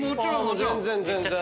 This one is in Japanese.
全然全然。